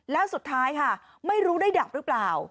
แล้วสุดท้ายค่ะไม่รู้ได้ดับหรือเปล่า